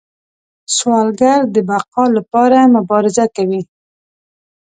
سوالګر د بقا لپاره مبارزه کوي